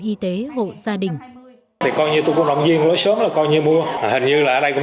y tế hộ gia đình thì coi như tôi cũng động viên lối sớm là coi như mua hình như là ở đây cũng